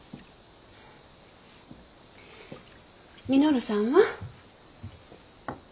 稔さんは？